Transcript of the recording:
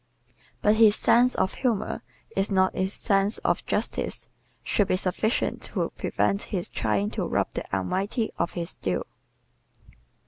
But his sense of humor if not his sense of justice should be sufficient to prevent his trying to rob the Almighty of His due.